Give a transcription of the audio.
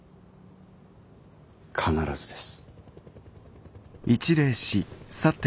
必ずです。